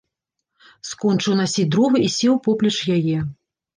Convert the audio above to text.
Скончыў насіць дровы і сеў поплеч яе.